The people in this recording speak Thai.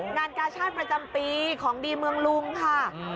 งานกาชาติประจำปีของดีเมืองลุงค่ะ